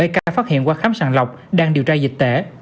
hai ca phát hiện qua khám sàng lọc đang điều tra dịch tễ